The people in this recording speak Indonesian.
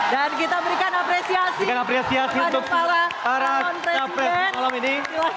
dan kita berikan apresiasi kepada kepala kampung capres di kolom ini